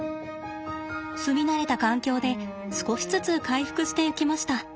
住み慣れた環境で少しずつ回復していきました。